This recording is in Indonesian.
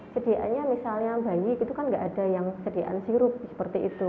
sediaannya misalnya bayi itu kan nggak ada yang sediaan sirup seperti itu